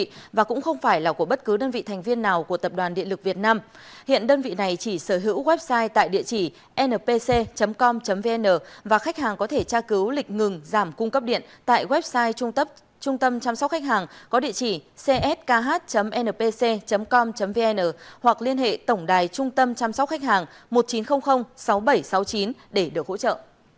tổng công ty điện lực miền bắc không phải là của bất cứ đơn vị thành viên nào của tập đoàn điện lực việt nam hiện đơn vị này chỉ sở hữu website tại địa chỉ npc com vn và khách hàng có thể tra cứu lịch ngừng giảm cung cấp điện tại website trung tâm chăm sóc khách hàng có địa chỉ cskh npc com vn hoặc liên hệ tổng đài trung tâm chăm sóc khách hàng một chín không không sáu bảy sáu chín để được hỗ trợ